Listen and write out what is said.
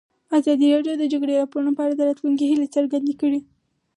ازادي راډیو د د جګړې راپورونه په اړه د راتلونکي هیلې څرګندې کړې.